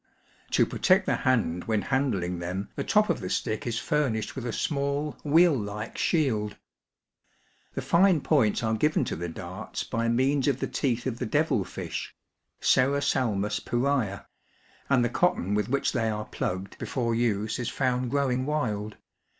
To protect the hand when handling them the top of the stick is famished with a small wheel like shield. The fine points are given to the darts by means of the teeth of the devil fish (Serrasalmue pi/ray a) ; and the cotton with which they are plugged before use is found grow ing wild.